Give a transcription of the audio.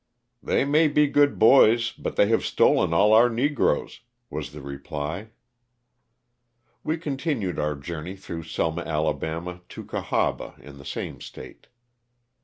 145 "They may be good boys, but they have stolen all our negroes/' was the reply. We continued our journey through Selma, Ala., to Cahaba in the same State.